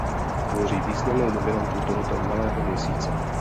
Tvoří výraznou dominantu tohoto malého měsíce.